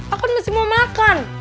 aku masih mau makan